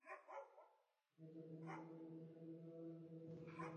তাই, এখন আমাদেরকে এগুলো একটা একটা করে বের করতে হবে।